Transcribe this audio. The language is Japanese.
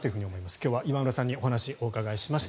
今日は岩村さんにお話をお伺いしました。